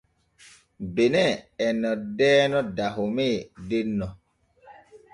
Benin e noddeeno Dahome denno.